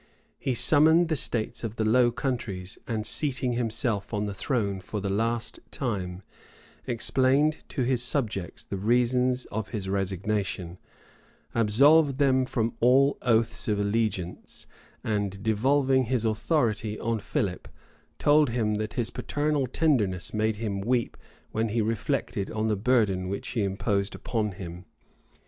He summoned the states of the Low Countries and seating himself on the throne for the last time, explained to his subjects the reasons of his resignation, absolved them from all oaths of allegiance, and, devolving his authority on Philip, told him, that his paternal tenderness made him weep when he reflected on the burden which he imposed upon him.